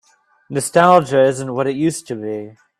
Nostalgia isn't what it used to be.